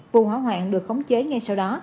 vụ hỏa hoạn được khống chế ngay sau đó